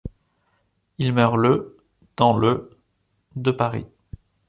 Il meurt le dans le de Paris.